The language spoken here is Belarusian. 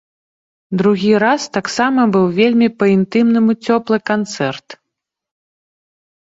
Другі раз таксама быў вельмі па-інтымнаму цёплы канцэрт.